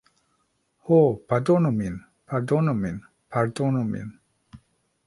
"Ho, pardonu min. Pardonu min. Pardonu min."